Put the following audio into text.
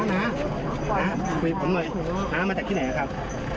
น้าคุยผมหน่อยน้ามาจากที่ไหนครับ